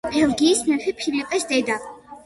ბელგიის მეფე ფილიპეს დედა.